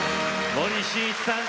森進一さん